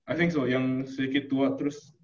i think so yang sedikit tua terus